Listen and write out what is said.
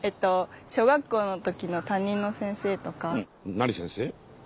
何先生？